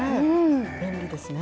便利ですね。